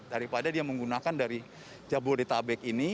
daripada dia menggunakan dari jabodetabek ini